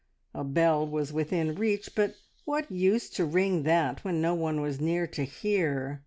A bell was within reach, but what use to ring that when no one was near to hear?